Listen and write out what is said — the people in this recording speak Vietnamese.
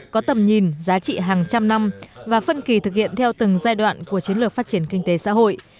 có tầm nhìn giá trị hàng trăm năm và phân kỳ thực hiện theo từng giai đoạn của chiến lược phát triển kinh tế xã hội